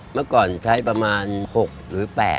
เมื่อก่อนใช้ประมาณ๖หรือ๘